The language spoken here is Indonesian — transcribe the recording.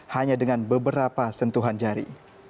hanya dengan beberapa sentuhan jari